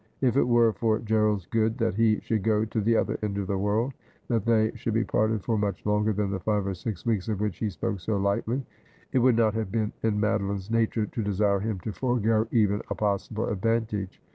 If it were for Gerald's good that he should go to the other end of the world, that they should be parted for much longer than the five or six weeks of which he spoke so lightly, it would not have been in Madoline's nature to desire him to forego even a possible advantage.